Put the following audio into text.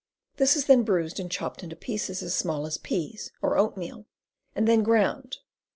This is then bruised and chopped into pieces as small as peas or oatmeal, and then ground.